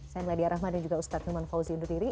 saya meladia rahman dan juga ustadz hilman fauzi undur diri